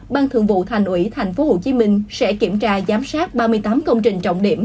ban thượng vụ thành ủy tp hcm sẽ kiểm tra giám sát ba mươi tám công trình trọng điểm